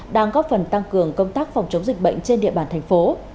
đang góp phần tăng cường công tác phòng chống dịch bệnh trên địa bàn thành phố